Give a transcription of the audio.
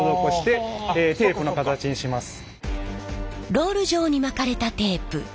ロール状に巻かれたテープ。